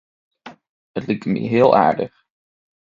It liket my heel aardich.